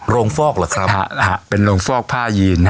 ฟอกเหรอครับเป็นโรงฟอกผ้ายีน